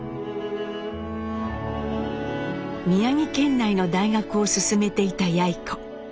宮城県内の大学を勧めていたやい子。